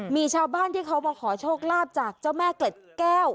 มีชาวบ้านที่เขามาขอโชคลาภจากเจ้าแม่เกล็ดแก้ว